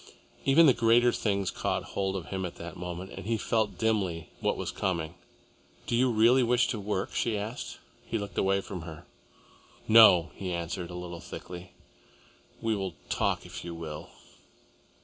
Even the greater things caught hold of him in that moment, and he felt dimly what was coming. "Do you really wish to work?" she asked. He looked away from her. "No!" he answered, a little thickly. "We will talk, if you will."